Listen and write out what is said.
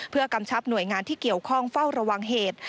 เพื่อกำชับหน่วยงานที่เกี่ยวข้องเฝ้าระวังเหตุ